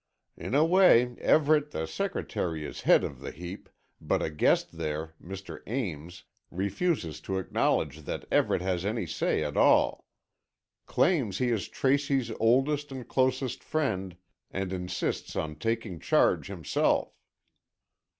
In a way, Everett, the secretary, is head of the heap, but a guest there, Mr. Ames, refuses to acknowledge that Everett has any say at all. Claims he is Tracy's oldest and closest friend, and insists on taking charge himself."